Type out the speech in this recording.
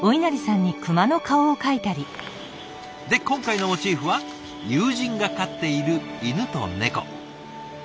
で今回のモチーフは友人が飼っている犬と猫。